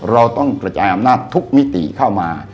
เราต้องกระจายอำนาจทุกมิติเข้ามา